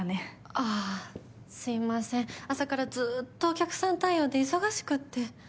あぁすいません朝からずっとお客さん対応で忙しくって。